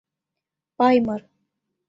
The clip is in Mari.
Паймыр.